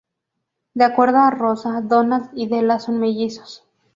De acuerdo a Rosa, Donald y Della son mellizos.